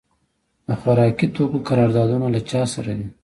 د خوراکي توکو قراردادونه له چا سره دي؟